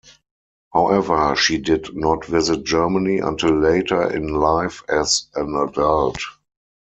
However, she did not visit Germany until later in life as an adult.